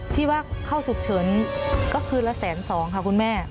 ที่ว่าเข้าฉุกเฉินก็คืนละแสนสองค่ะคุณแม่